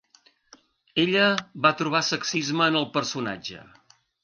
Ella va trobar sexisme en el personatge.